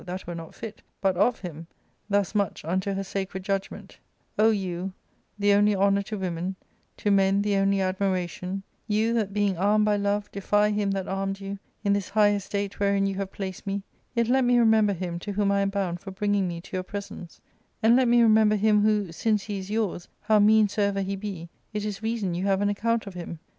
that were not fit — but of him, thus much xinto her sacred judgment :— O you, the only honour to women, to men the only admiration ; you that, being armed by love, defy him that armed you, in this high estate wherein you have placed me, yet let me remember him to whom I am bound for bringing me to your presence ; and let me re member him who, since he is yours, how mean soever he be, it is reason you have an account of him.